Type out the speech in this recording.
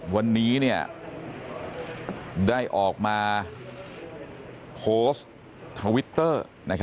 วันนี้ได้ออกมาโพสต์ทวิตเตอร์